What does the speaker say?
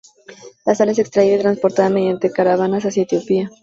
La sal es extraída y transportada mediante caravanas hacia Etiopía.